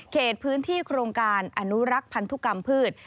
เขตพื้นที่โครงการอนุรักษ์พันธุกรรมพืช